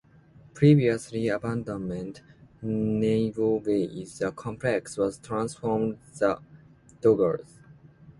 Previously an abandoned Naval base, the complex was transformed for the Dodgers.